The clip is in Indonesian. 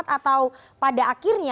atau pada akhirnya